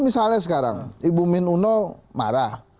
misalnya sekarang ibu min uno marah